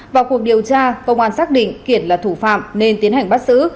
vào cuộc điều tra công an xác định kiển là thủ phạm nên tiến hành bắt giữ